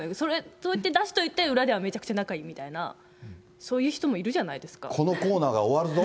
そうやって出しといて、裏ではめちゃくちゃ仲いいみたいな、このコーナーが終わるぞ。